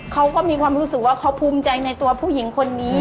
เขาก็มีความรู้สึกว่าเขาภูมิใจในตัวผู้หญิงคนนี้